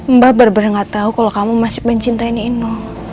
mbak bener bener gak tau kalo kamu masih mencintai nino